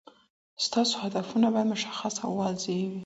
ستاسو هدفونه باید مشخص او واضح وي.